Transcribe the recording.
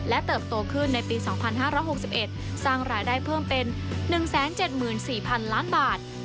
เติบโตขึ้นในปี๒๕๖๑สร้างรายได้เพิ่มเป็น๑๗๔๐๐๐ล้านบาท